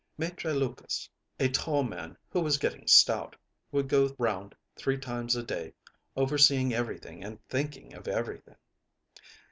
Maitre Lucas, a tall man who was getting stout, would go round three times a day, overseeing everything and thinking of everything.